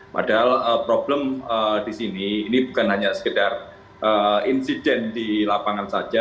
padahal problem di sini ini bukan hanya sekedar insiden di lapangan saja